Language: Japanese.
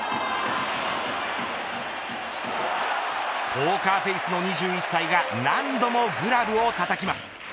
ポーカーフェースの２１歳が何度もグラブをたたきます。